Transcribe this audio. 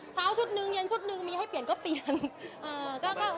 เช้าชุดหนึ่งเย็นชุดหนึ่งมีให้เปลี่ยนก็เปลี่ยน